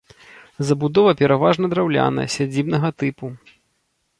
Забудова пераважна драўляная сядзібнага тыпу.